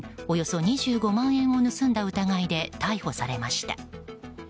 およそ２５万円を盗んだ疑いで逮捕されました。